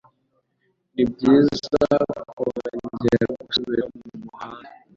Nibyiza kongera gusubira mumuhanda.